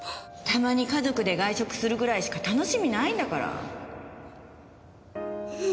たまに家族で外食するぐらいしか楽しみないんだから。